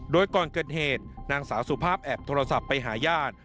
โดยก่อนเกิดเหตุนางสาวสุภาพแอบโทรศัพท์ไปหาญาติ